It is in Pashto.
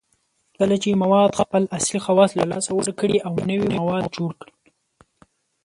کله چې مواد خپل اصلي خواص له لاسه ورکړي او نوي مواد جوړ کړي